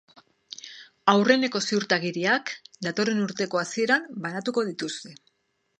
Aurreneko ziurtagiriak datorren urteko hasieran banatuko dituzte.